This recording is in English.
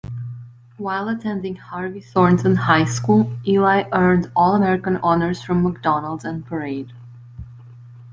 While attending Harvey Thornton High School, Ely earned All-American honors from McDonald's and Parade.